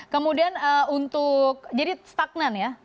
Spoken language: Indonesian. kemudian untuk jadi stagnan ya